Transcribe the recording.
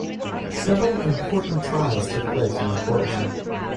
Several important trials took place in the courtroom.